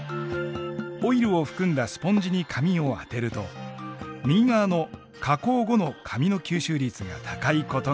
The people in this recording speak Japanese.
オイルを含んだスポンジに紙を当てると右側の加工後の紙の吸収率が高いことが分かります。